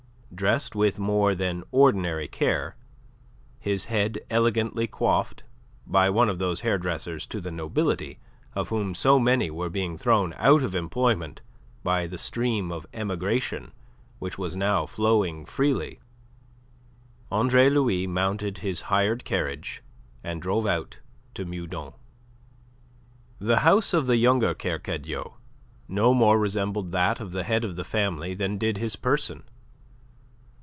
Dressed with more than ordinary care, his head elegantly coiffed by one of those hairdressers to the nobility of whom so many were being thrown out of employment by the stream of emigration which was now flowing freely Andre Louis mounted his hired carriage, and drove out to Meudon. The house of the younger Kercadiou no more resembled that of the head of the family than did his person.